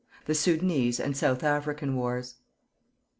THE SOUDANESE AND SOUTH AFRICAN WARS.